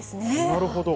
なるほど。